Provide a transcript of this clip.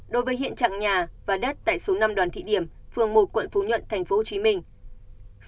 đối với hiện trạng nhà và đất tại số năm đoàn thị điểm phường một quận phú nhuận thành phố hồ chí minh